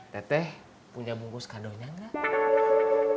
teteh punya bungkus kado nya nggak